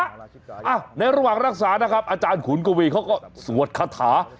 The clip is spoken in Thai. ในระหว่างรักษานะครับอาจารย์ขุนกวีเขาก็สวดคาถา